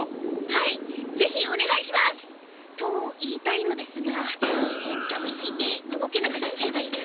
はいぜひおねがいします！と言いたいのですが食べすぎて動けなくなっちゃいました。